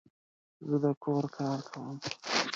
زه د کور کار کوم